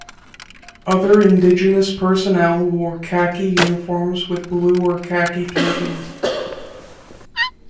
Other indigenous personnel wore khaki uniforms with blue or khaki turbans.